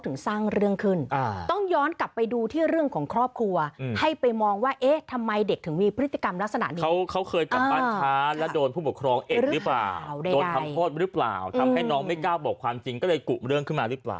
แต่ที่เราสงสัยตามที่คุณย่าบอกว่า